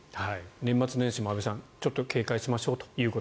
年末年始も安部さんちょっと警戒しましょうと。